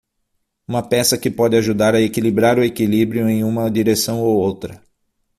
Uma peça que pode ajudar a equilibrar o equilíbrio em uma direção ou outra.